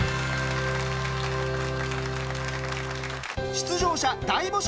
出場者大募集！